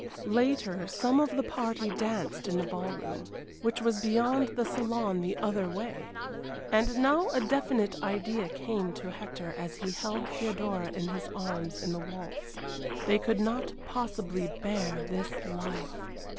Later some of the party danced in the ballroom, which was beyond the saloon the other way, and now a definite idea came to Hector as he held Theodora in his arms in the waltz. They could not possibly bear this life.